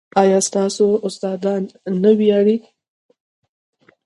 ایا ستاسو استادان نه ویاړي؟